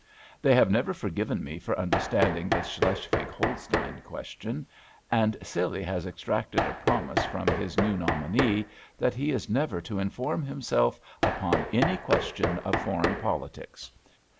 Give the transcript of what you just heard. They have never forgiven me for understanding the Schleswig Holstein question; and Scilly has extracted a promise from his new nominee that he is never to inform himself upon any question of foreign politics.